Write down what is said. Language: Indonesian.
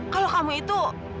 kalau kamu itu